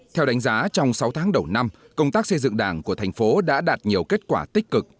theo đánh giá trong sáu tháng đầu năm công tác xây dựng đảng của thành phố đã đạt nhiều kết quả tích cực